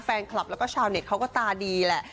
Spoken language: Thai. แฟนคลับแล้วก็ชาวเน็ตเขาก็ตาดีแหละ